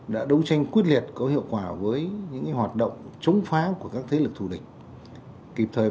đã đấu tranh quyết liệt có hiệu quả với những hoạt động chống phá của các thế lực thù địch